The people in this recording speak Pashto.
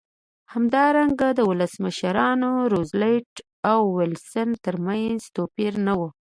همدارنګه د ولسمشرانو روزولټ او ویلسن ترمنځ توپیر نه و.